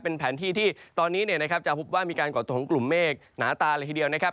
เป็นแผนที่ที่ตอนนี้จะพบว่ามีการก่อตัวของกลุ่มเมฆหนาตาเลยทีเดียวนะครับ